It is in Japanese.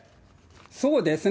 そうですね。